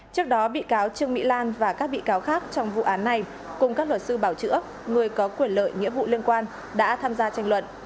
trước đó bị cáo trương mỹ lan và các bị cáo khác trong vụ án này cùng các luật sư bảo chữa người có quyền lợi nghĩa vụ liên quan đã tham gia tranh luận